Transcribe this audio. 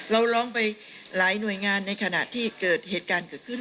เราร้องไปหลายหน่วยงานในขณะที่เกิดเหตุการณ์เกิดขึ้น